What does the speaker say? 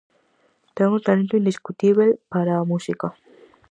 Ten un talento indiscutíbel para a música.